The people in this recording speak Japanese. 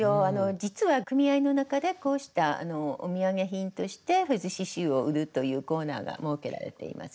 実は組合の中でこうしたお土産品としてフェズ刺しゅうを売るというコーナーが設けられています。